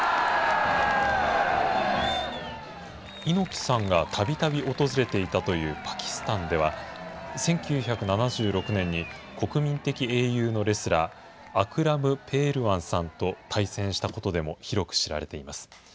猪木さんがたびたび訪れていたというパキスタンでは、１９７６年に国民的英雄のレスラー、アクラム・ペールワンさんと対戦したことでも広く知られています。